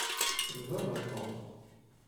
D baba-m Tom.